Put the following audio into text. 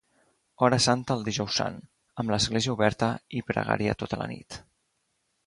Hora Santa el Dijous Sant, amb l'església oberta i pregària tota la nit.